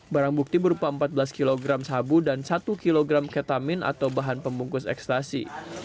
barang bukti berupa empat belas kg sabu dan satu kilogram ketamin atau bahan pembungkus ekstasi